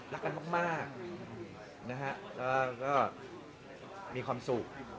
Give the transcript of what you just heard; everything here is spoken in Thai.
รักกันมากนะฮะแล้วก็มีความสุข